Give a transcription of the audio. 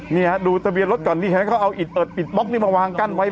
นี่ฮะดูทะเบียนรถก่อนนี่ฉันเขาเอาอิดเอิดอิดบล็อกนี่มาวางกั้นไว้